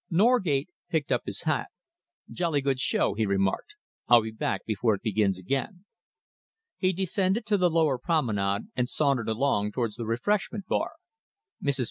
Norgate picked up his hat. "Jolly good show," he remarked. "I'll be back before it begins again." He descended to the lower Promenade and sauntered along towards the refreshment bar. Mrs.